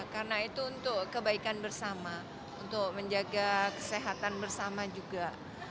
karena itu untuk kebaikan bersama untuk menjaga kesehatan bersama juga